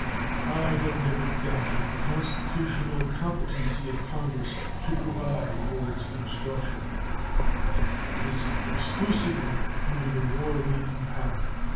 I have never doubted the constitutional competency of Congress to provide for its construction, but this exclusively under the war making power.